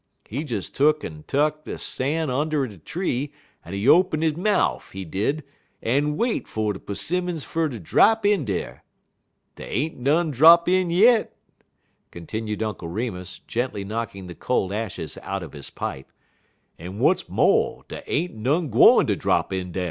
He des tuck'n tuck he stan' und' de tree, en he open he mouf, he did, en wait fer de 'simmons fer ter drap in dar. Dey ain't none drap in yit," continued Uncle Remus, gently knocking the cold ashes out of his pipe; "en w'at's mo', dey ain't none gwine ter drap in dar.